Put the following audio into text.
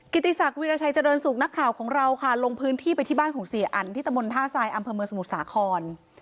ติศักดิราชัยเจริญสุขนักข่าวของเราค่ะลงพื้นที่ไปที่บ้านของเสียอันที่ตะมนต์ท่าทรายอำเภอเมืองสมุทรสาคร